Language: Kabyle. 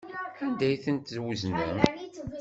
Anda ay tent-tweznem?